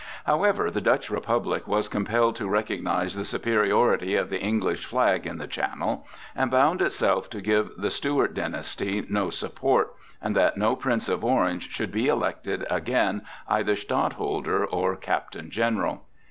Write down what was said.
However, the Dutch Republic was compelled to recognize the superiority of the English flag in the channel, and bound itself to give the Stuart dynasty no support, and that no Prince of Orange should be elected again either Stadtholder or Captain General.